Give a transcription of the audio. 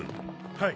はい。